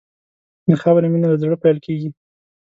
د خاورې مینه له زړه پیل کېږي.